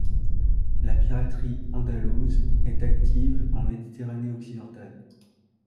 La piraterie andalouse est active en Méditerranée occidentale.